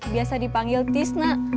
biasa dipanggil tizna